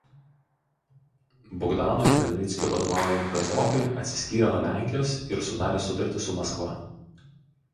Bogdano Chmelnickio vadovaujami kazokai atsiskyrė nuo Lenkijos ir sudarė sutartį su Maskva.